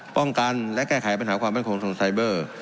ป้องกันและแก้ไขปัญหาความมั่นคงถนนไซเบอร์